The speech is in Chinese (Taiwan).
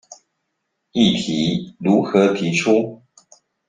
議題如何提出？